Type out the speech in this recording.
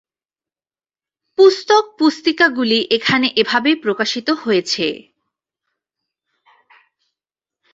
পুস্তক-পুস্তিকাগুলি এখানে এভাবেই প্রকাশিত হয়েছে।